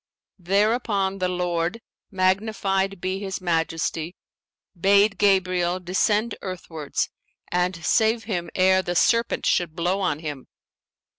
Thereupon the Lord (magnified be His Majesty!) bade Gabriel descend earthwards and save him ere the serpent should blow on him.